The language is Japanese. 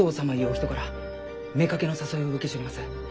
お人から妾の誘いを受けちょります。